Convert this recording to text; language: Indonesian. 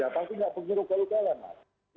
pasti tidak bergurau gurau kalian mas